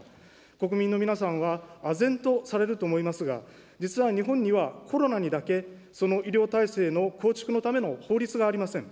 国民の皆さんはあぜんとされると思いますが、実は、日本にはコロナにだけ、その医療体制の構築のための法律がありません。